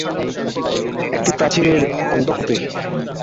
একটি প্রাচীরের অন্ধকূপে।